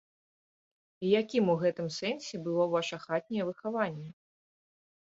І якім у гэтым сэнсе было ваша хатняе выхаванне?